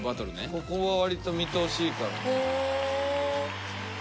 ここはわりと見通しいいからね。